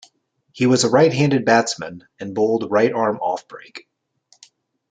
He was a right-handed batsman and bowled right-arm offbreak.